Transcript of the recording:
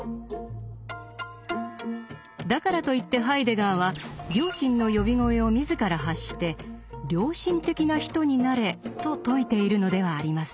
だからといってハイデガーは良心の呼び声を自ら発して「良心的な人になれ」と説いているのではありません。